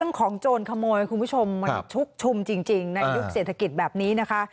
ต้องของโจรขโมยคุณผู้ชมแหละชุบชุมจริงจริงในยุคเศรษฐกิจแบบนี้นะคะ